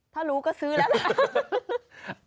ถ้ารู้ก็ซื้อแล้วแหละ